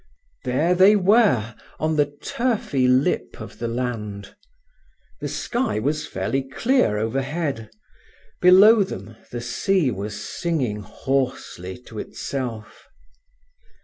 There they were on the turfy lip of the land. The sky was fairly clear overhead. Below them the sea was singing hoarsely to itself.